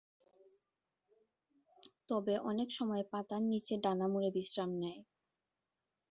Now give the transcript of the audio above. তবে অনেকসময় পাতার নিচে ডানা মুড়ে বিশ্রাম নেয়।